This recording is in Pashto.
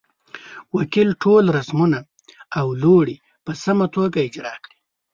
وکیل ټول رسمونه او لوړې په سمه توګه اجرا کړې.